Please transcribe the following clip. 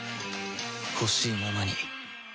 ほしいままに